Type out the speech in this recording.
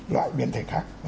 loại biến thể khác